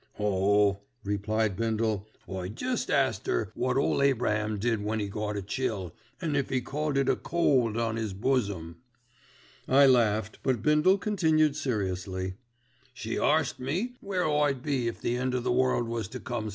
"Oh!" replied Bindle, "I jest asked 'er wot ole Abraham did when he got a chill, an' if 'e called it a cold on 'is bosom?" I laughed, but Bindle continued seriously, "She arst me where I'd be if the end of the world was to come sudden like."